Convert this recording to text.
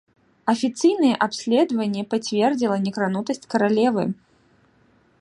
Афіцыйнае абследаванне пацвердзіла некранутасць каралевы.